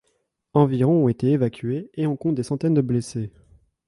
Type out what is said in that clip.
Environ ont été évacuées, et on compte des centaines de blessés.